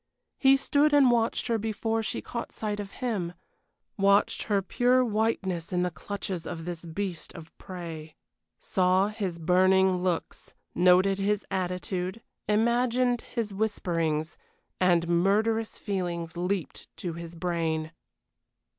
He stood and watched her before she caught sight of him watched her pure whiteness in the clutches of this beast of prey. Saw his burning looks; noted his attitude; imagined his whisperings and murderous feelings leaped to his brain.